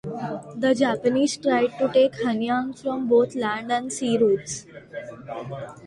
The Japanese tried to take Hanyang from both land and sea routes.